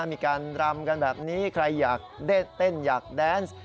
มีการรำกันแบบนี้ใครอยากได้เต้นอยากแดนส์